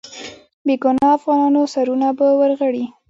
بې ګناه افغانانو سرونه به ورغړي.